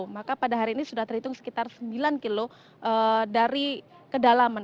maka pada hari ini sudah terhitung sekitar sembilan km dari kedalaman